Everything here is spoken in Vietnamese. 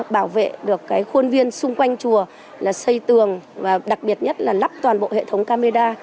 bảo vệ được khuôn viên xung quanh chùa là xây tường và đặc biệt nhất là lắp toàn bộ hệ thống camera